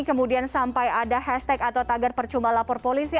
kemudian sampai ada hashtag atau tagar percuma lapor polisi